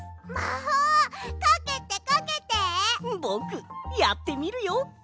ぼくやってみるよ！